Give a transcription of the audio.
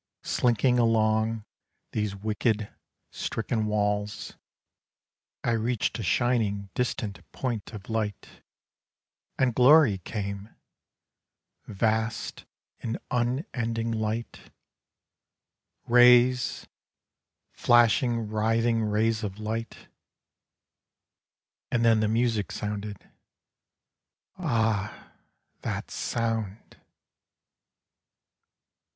Slinking along these wicked stricken walls I reached a shining distant point of light. — And glory came — vast and unending light, Rays — flashing, writhing rays of light. And then the music sounded. Ah, that sound